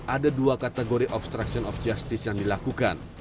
ada dua kategori obstruction of justice yang dilakukan